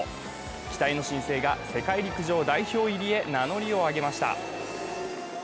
期待の新星が世界陸上代表入りへ名乗りを上げました。